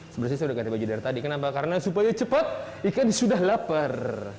seperti saya udah ganti baju dari tadi kenapa karena supaya cepat ikan sudah lapar